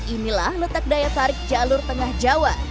inilah letak daya tarik jalur tengah jawa